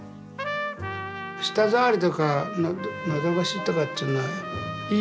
舌触りとかのどごしとかっていうのはいいよね。